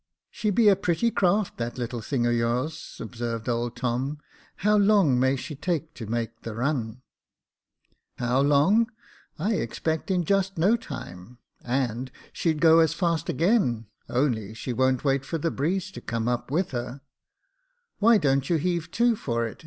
156 Jacob Faithful *' She be a pretty craft, that little thing of yours," observed old Tom ;*' how long may she take to make the run ?" "How long? I expect in just no time; and she'd go as fast again, only she won't wait for the breeze to come up with her." " Why don't you heave to for it